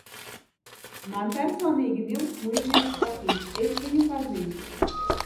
Man personīgi Nils Muižnieks patīk, es viņu pazīstu.